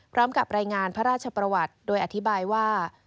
พร้อมกับรายงานพระราชประวัติโดยอธิบายว่า